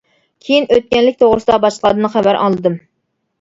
كىيىن ئۆتكەنلىك توغرىسىدا باشقىلاردىن خەۋەر ئاڭلىدىم.